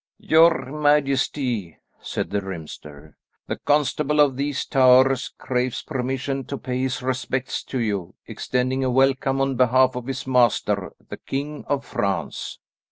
"Your majesty," said the rhymster, "the constable of these towers craves permission to pay his respects to you, extending a welcome on behalf of his master, the King of France."